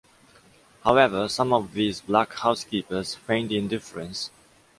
However, some of these black housekeepers feigned indifference.